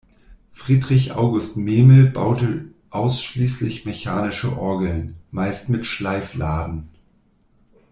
Friedrich August Mehmel baute ausschließlich mechanische Orgeln, meist mit Schleifladen.